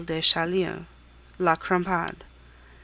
DE CHAULIEU La Crampade.